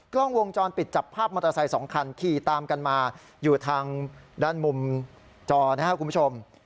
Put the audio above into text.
กล้องวงจรปิดจับภาพมอเตอร์ไซค์สองคันขี่ตามกันมาอยู่ทางด้านมุมจอนะครับคุณผู้ชม